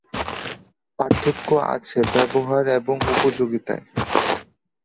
পার্থক্য আছে ব্যবহার এবং উপযোগিতায়।